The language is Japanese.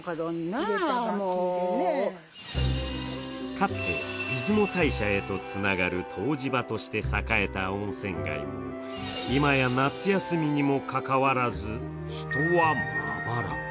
かつて出雲大社へとつながる湯治場として栄えた温泉街も今や夏休みにもかかわらず人はまばら。